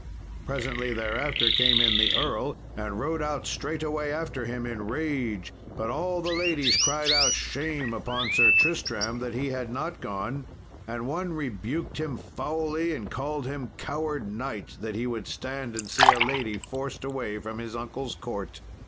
Presently thereafter came in the earl, and rode out straightway after him in rage. But all the ladies cried out shame upon Sir Tristram that he had not gone, and one rebuked him foully and called him coward knight, that he would stand and see a lady forced away from his uncle's court.